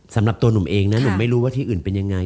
สำหรับตัวหนุ่มเองนะหนุ่มไม่รู้ว่าที่อื่นเป็นยังไง